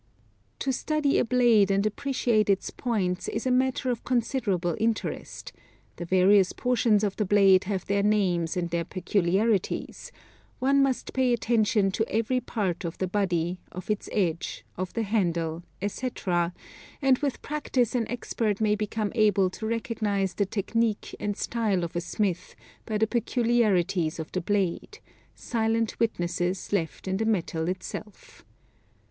To study a blade and appreciate its points is a matter of considerable interest, the various portions of the blade have their names and their peculiarities; one must pay attention to every part of the body, of its edge, of the handle, etc., and with practice an expert may become able to recognise the technique and style of a smith by the peculiarities of the blade, silent witnesses left in the metal itself.